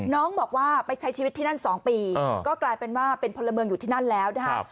น้องบอกว่าไปใช้ชีวิตที่นั่น๒ปีก็กลายเป็นว่าเป็นพลเมืองอยู่ที่นั่นแล้วนะฮะ